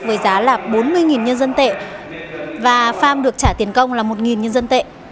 với giá là bốn mươi nhân dân tệ và farm được trả tiền công là một nhân dân tệ